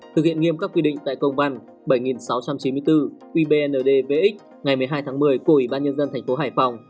thực hiện nghiêm các quy định tại công văn bảy nghìn sáu trăm chín mươi bốn ubnd vx ngày một mươi hai tháng một mươi của ủy ban nhân dân thành phố hải phòng